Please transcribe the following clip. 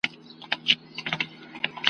هغه چي لمر ته مخامخ دی هغه زما کلی دی ..